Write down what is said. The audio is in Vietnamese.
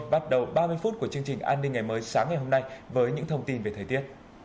bắt đầu ba mươi phút của chương trình an ninh ngày mới sáng ngày hôm nay với những thông tin về thời tiết